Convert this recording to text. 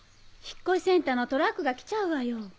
引っ越しセンターのトラックが来ちゃうわよ。